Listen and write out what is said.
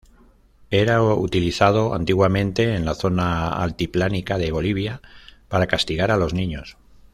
Era utilizado antiguamente en la zona altiplánica de Bolivia para castigar a los niños.